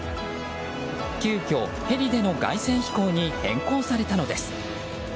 急きょ、ヘリでの凱旋飛行に変更されたのです。